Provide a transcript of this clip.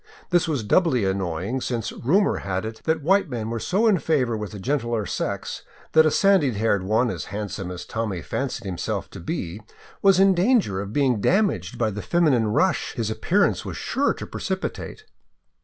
This was doubly annoying, since rumor had it that white men were so in favor with the gentler sex that a sandy haired one as handsome as Tommy fancied himself to be was in danger of being damaged by the feminine rush his appearance was sure to pre cipitate.